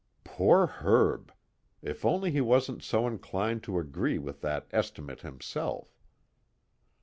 _Poor Herb! If only he wasn't so inclined to agree with that estimate himself!